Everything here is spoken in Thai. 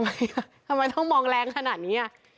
ทำไมจะทำไมต้องมองแรงขนาดนี้